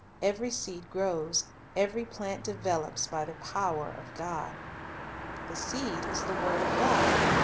Every seed grows, every plant develops, by the power of God. "The seed is the word of God."